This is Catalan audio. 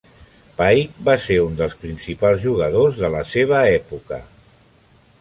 Pike va ser un dels principals jugadors de la seva època.